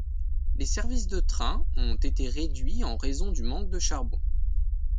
Les services de train ont encore été réduits en raison du manque de charbon.